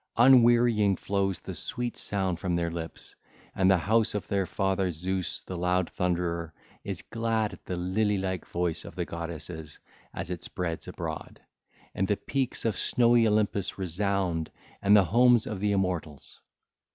Unwearying flows the sweet sound from their lips, and the house of their father Zeus the loud thunderer is glad at the lily like voice of the goddesses as it spread abroad, and the peaks of snowy Olympus resound, and the homes of the immortals.